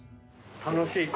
楽しい。